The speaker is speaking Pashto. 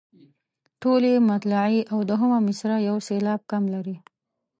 ټولې مطلعې او دوهمه مصرع یو سېلاب کم لري.